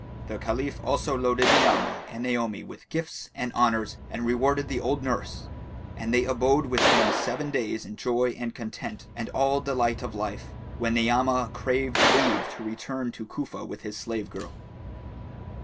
The Caliph also loaded Ni'amah and Naomi with gifts and honours and rewarded the old nurse; and they abode with him seven days in joy and content and all delight of life, when Ni'amah craved leave to return to Cufa with his slave girl.